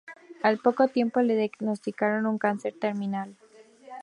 Al poco tiempo le diagnosticaron un cáncer terminal.